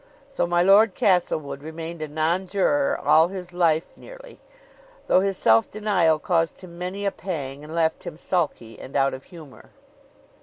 So my Lord Castlewood remained a nonjuror all his life nearly, though his self denial caused him many a pang, and left him sulky and out of humor.